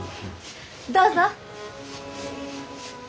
どうぞ！